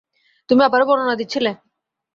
তুমি আবারও বর্ণনা দিচ্ছিলে।